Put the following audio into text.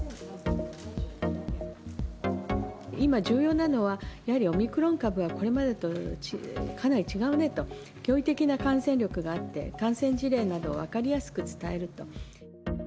今、重要なのは、やはりオミクロン株はこれまでとかなり違うねと、驚異的な感染力があって、感染事例など、分かりやすく伝えると。